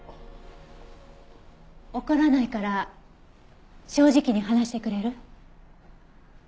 怒らないから正直に話してくれる？